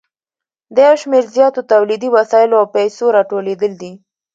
د یو شمېر زیاتو تولیدي وسایلو او پیسو راټولېدل دي